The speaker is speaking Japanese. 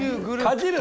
かじる。